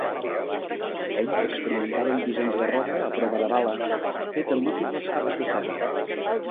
Ell experimentava amb dissenys de roba a prova de bala fet amb múltiples capes de seda.